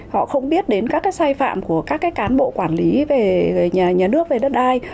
họ không biết đến các sai phạm của các cán bộ quản lý về nhà nước về đất ai